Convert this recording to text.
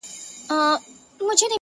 اوس هيڅ خبري مه كوی يارانو ليـونيانـو؛